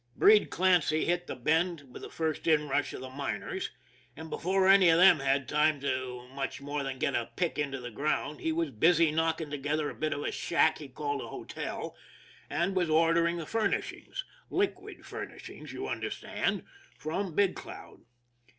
Breed Clancy hit the Bend with the first inrush of the miners, and before any of them had time to much more than get a pick into the ground he was busy knocking together a bit of a shack he called a hotel, and was ordering the furnishings liquid furnishings, you understand from Big Cloud.